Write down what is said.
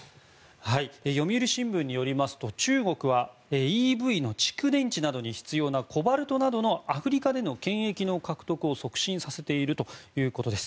読売新聞によりますと中国はＥＶの蓄電池などに必要なコバルトなどのアフリカでの権益の獲得を促進させているということです。